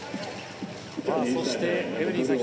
そしてエブリンさん